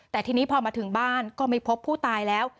แต่ทีนี้พอมาถึงบ้านก็ไม่พบผู้ตายแล้ว